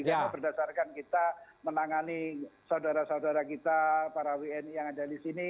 karena berdasarkan kita menangani saudara saudara kita para wni yang ada di sini